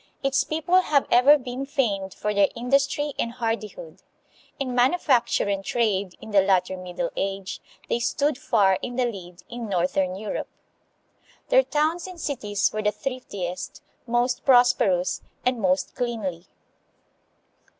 Its people have ever been famed for their industry and hardihood. In manufacture and trade in the latter Middle Age, they stood far in the lead in northern Europe. Their towns and cities were the thriftiest, most prosperous, and most cleanly.